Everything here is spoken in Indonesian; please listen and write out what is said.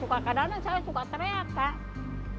kadang kadang saya suka teriak